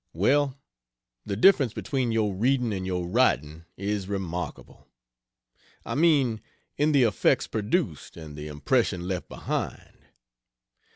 Well, the difference between your reading and your writing is remarkable. I mean, in the effects produced and the impression left behind.